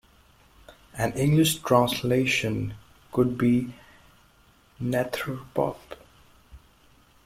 An English translation could be "Netherpop".